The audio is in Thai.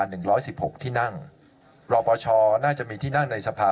หนึ่งร้อยสิบหกที่นั่งรอปชน่าจะมีที่นั่งในสภา